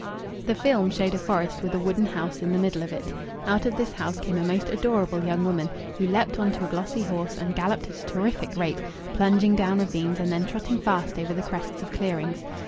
The film showed a forest with a wooden house in the middle of it. Out of this house came a most adorable young woman, who leaped on to a glossy horse and galloped at a terrific rate, plunging down ravines, and then trotting fast over the crests of clearings.